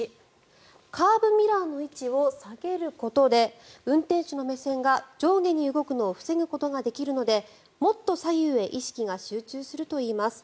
１、カーブミラーの位置を下げることで運転手の目線が上下に動くのを防ぐことができるのでもっと左右へ意識が集中するといいます。